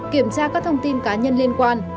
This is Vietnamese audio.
kiểm tra các thông tin cá nhân liên quan